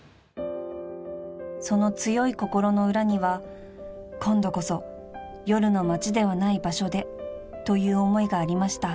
［その強い心の裏には今度こそ夜の街ではない場所でという思いがありました］